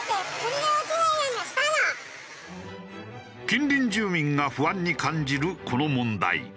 近隣住民が不安に感じるこの問題。